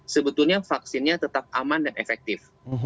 sebetulnya vaksinnya tetap aman dan efektif